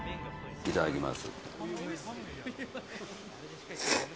いただきます。